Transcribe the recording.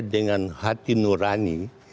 dengan hati nurani